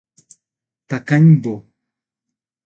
Tacaimbó